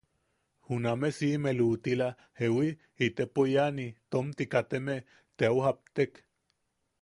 Juname siʼime luʼutila ¿jewi? Itepo iani, tomti kateme, te au japtek.